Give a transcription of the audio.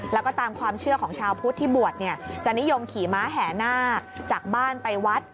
แล้วก็ตามความเชื่อของชาวพุทธที่บวชเนี่ยจะนิยมขี่ม้าแห่นาคจากบ้านไปวัด